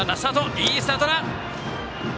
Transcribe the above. いいスタートだ！